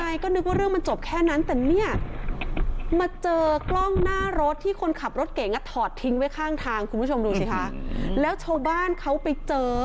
ใช่ก็นึกว่าเรื่องมันจบแค่นั้นแต่เนี่ยมาเจอกล้องหน้ารถที่คนขับรถเก่งอ่ะถอดทิ้งไว้ข้างทางคุณผู้ชมดูสิคะแล้วชาวบ้านเขาไปเจอ